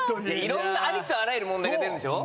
いろんなありとあらゆる問題が出るんでしょ。